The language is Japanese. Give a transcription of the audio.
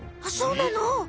あっそうなの？